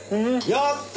やった！